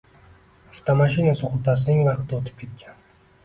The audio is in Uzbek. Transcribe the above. Avtomashina sug‘urtasining vaqti o‘tib ketgan